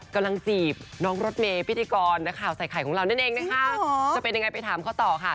จีบน้องรถเมย์พิธีกรนักข่าวใส่ไข่ของเรานั่นเองนะคะจะเป็นยังไงไปถามเขาต่อค่ะ